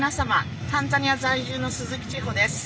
タンザニア在住の鈴木千穂です。